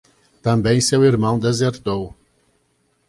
Também seu irmão desertou.